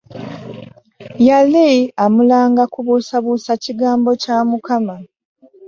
Yali amulanga kubuusabuusa kigambo kya Mukama.